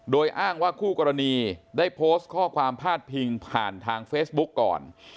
โดยอ้างว่าคู่กรณีได้โพสต์ข้อความพาดพิงผ่านทางเฟซบุ๊กก่อน